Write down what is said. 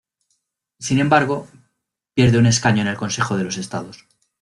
Sin embargo, pierde un escaño en el Consejo de los Estados.